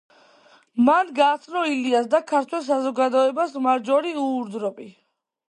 მან გააცნო ილიას და ქართველ საზოგადოებას მარჯორი უორდროპი.